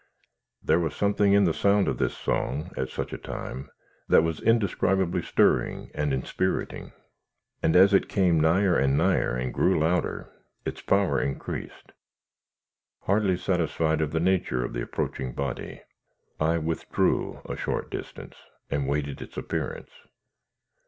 There was something in the sound of this song, at such a time, that was indescribably stirring and inspiriting; and, as it came nigher and nigher, and grew louder, its power increased. Hardly satisfied of the nature of the approaching body, I withdrew a short distance, and waited its appearance.